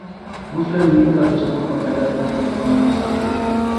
مسلم لیگ کا دستور باقاعدہ طور پر امرتسر